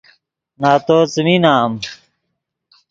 نتو څیمی نام